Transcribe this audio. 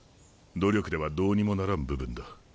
努力ではどうにもならん部分だ。